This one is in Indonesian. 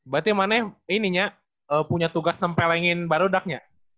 berarti maknanya ininya punya tugas nempelengin barodaknya